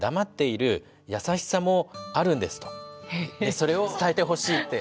それを伝えてほしいって。